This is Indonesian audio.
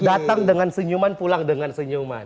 datang dengan senyuman pulang dengan senyuman